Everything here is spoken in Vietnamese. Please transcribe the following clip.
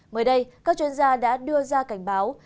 mới đây các chuyên gia đã đưa ra cảnh báo